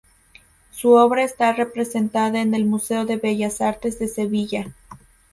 Su obra está representada en el museo de Bellas Artes de Sevilla.